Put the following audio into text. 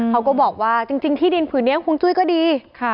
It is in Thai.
เขาก็บอกว่าจริงที่ดินผืนนี้ฮวงจุ้ยก็ดี